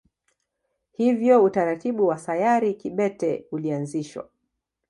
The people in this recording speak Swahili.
Hivyo utaratibu wa sayari kibete ulianzishwa.